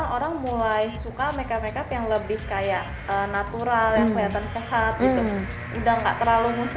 orang mulai suka makeup yang natural yang kelihatan sehat